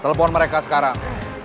telepon mereka sekarang